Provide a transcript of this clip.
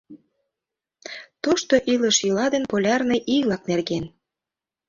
Тошто илыш-йӱла ден полярный ий-влак нерген